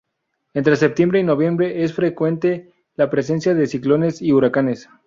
Entre septiembre y noviembre es frecuente la presencia de ciclones y huracanes.